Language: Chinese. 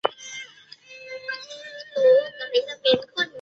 找她去吃点东西